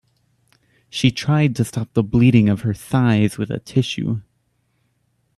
She tried to stop the bleeding of her thighs with a tissue.